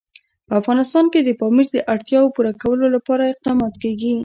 په افغانستان کې د پامیر د اړتیاوو پوره کولو لپاره اقدامات کېږي.